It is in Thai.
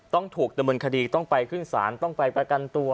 ต้องถูกดำเนินคดีต้องไปขึ้นศาลต้องไปประกันตัว